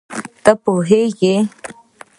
ته پوهېږې